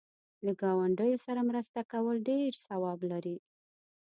له گاونډیو سره مرسته کول ډېر ثواب لري.